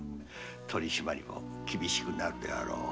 取り締まりも厳しくなるであろう。